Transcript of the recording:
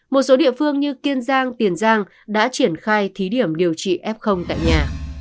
một số địa phương như kiên giang tiền giang đã triển khai thí điểm điều trị f tại nhà